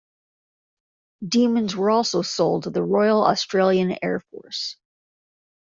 Demons were also sold to the Royal Australian Air Force.